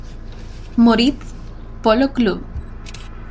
Moritz Polo Club.